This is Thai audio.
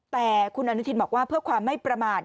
แต่คุณอนุทินบอกว่าเพื่อความไม่ประมาท